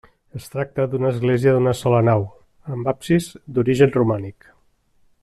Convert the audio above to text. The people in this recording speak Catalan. Es tracta d'una església d'una sola nau, amb absis d'origen romànic.